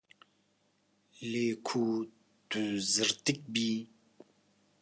Lê ku tu zirtik bî.